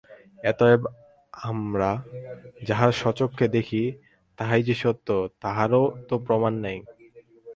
অতএব আমরা যাহা স্বচক্ষে দেখি, তাহাই যে সত্য, তাহারও তো প্রমাণ নাই।